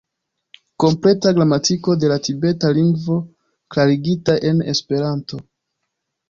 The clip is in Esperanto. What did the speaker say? Kompleta Gramatiko de la Tibeta Lingvo klarigita en Esperanto.